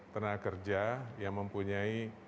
tenaga kerja yang mempunyai